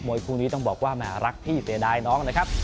วยคู่นี้ต้องบอกว่าแหมรักพี่เสียดายน้องนะครับ